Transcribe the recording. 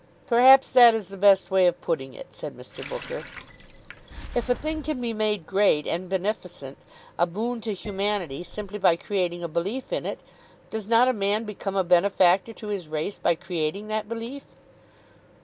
"Perhaps that is the best way of putting it," said Mr. Booker. "If a thing can be made great and beneficent, a boon to humanity, simply by creating a belief in it, does not a man become a benefactor to his race by creating that belief?"